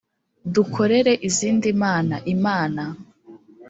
dukorere izindi mana imana